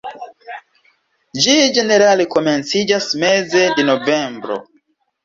Ĝi ĝenerale komenciĝas meze de novembro.